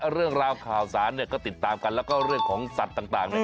เรื่องราวข่าวสารเนี่ยก็ติดตามกันแล้วก็เรื่องของสัตว์ต่างเนี่ย